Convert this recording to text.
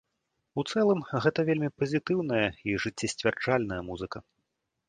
У цэлым, гэта вельмі пазітыўная і жыццесцвярджальная музыка.